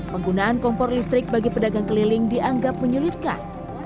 penggunaan kompor listrik bagi pedagang keliling dianggap menyulitkan